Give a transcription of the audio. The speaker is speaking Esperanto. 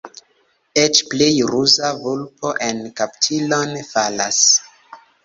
Eĉ plej ruza vulpo en kaptilon falas.